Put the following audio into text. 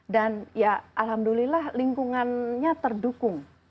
dan ya alhamdulillah lingkungannya terdukung